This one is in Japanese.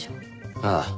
ああ。